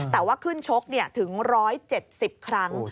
แต่ว่าขึ้นชกถึง๑๗๐ครั้ง